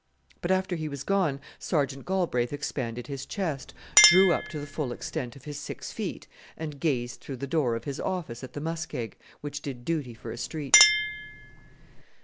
But after he was gone Sergeant Galbraith expanded his chest, drew up to the full extent of his six feet, and gazed through the door of his office at the muskeg, which did duty for a street.